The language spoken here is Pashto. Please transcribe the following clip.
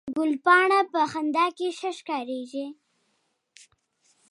ګلپاڼه په خندا کې ښه ښکارېږي